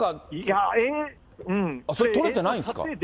それ、撮れてないんですか？